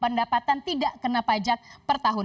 pendapatan tidak kena pajak per tahun